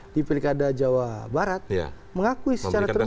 di pilkada jawa barat mengakui secara terbuka